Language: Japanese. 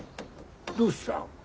どうした？